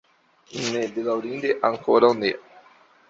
Ne, bedaŭrinde ankoraŭ ne.